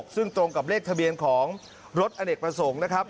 ซึ่งตรงกับเลขทะเบียนของรถอเนกประสงค์นะครับ